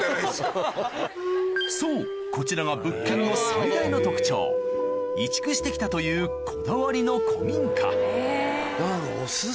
そうこちらが物件の最大の特徴移築して来たというこだわりの古民家